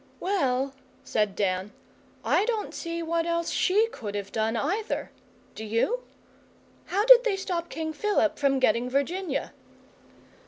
'Well,' said Dan, 'I don't see what else she could have done, either do you? How did they stop King Philip from getting Virginia?